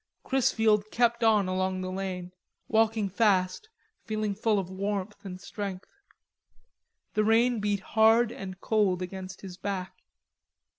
Chrisfield kept on along the lane, walking fast, feeling full of warmth and strength. The rain beat hard and cold against his back.